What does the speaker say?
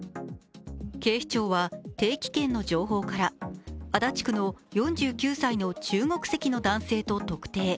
警視庁は、定期券の情報から足立区の４９歳の中国籍の男性と特定。